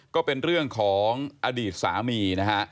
ก็เป็นเรื่องของอดีตสามีนะฮะ